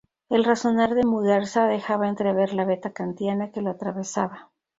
El razonar de Muguerza dejaba entrever la veta kantiana que lo atravesaba.